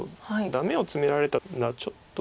ダメをツメられたらちょっと。